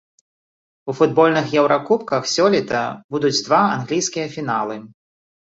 У футбольных еўракубках сёлета будуць два англійскія фіналы.